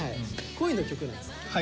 恋の曲なんです。